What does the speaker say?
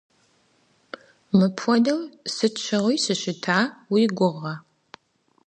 Мыпхуэдэу сыт щыгъуи сыщыта уи гугъэ?!